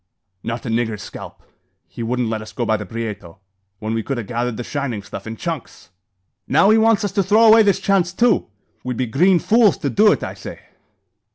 "Not a niggur's scalp. He wouldn't let us go by the Prieto, when we kud 'a gathered the shining stuff in chunks." "Now he wants us to throw away this chance too. We'd be green fools to do it, I say."